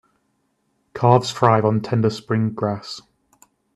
Calves thrive on tender spring grass.